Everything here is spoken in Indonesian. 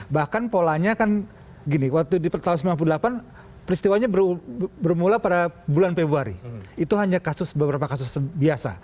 bahkan polanya kan gini waktu di tahun seribu sembilan ratus sembilan puluh delapan peristiwanya bermula pada bulan februari itu hanya beberapa kasus biasa